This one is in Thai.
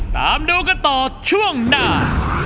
ตามดูกันต่อช่วงหน้า